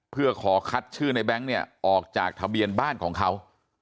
เพื่อขอคัดชื่อในแบงค์เนี่ยออกจากทะเบียนบ้านของเขา